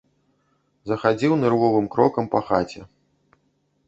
Захадзіў нервовым крокам па хаце.